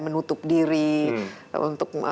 menutup diri untuk